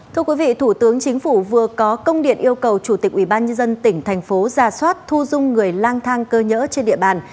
thưa quý vị thủ tướng chính phủ vừa có công điện yêu cầu chủ tịch ubnd tỉnh thành phố ra soát thu dung người lang thang cơ nhỡ trên địa bàn